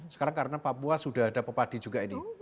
sekarang karena papua sudah ada pepadi juga ini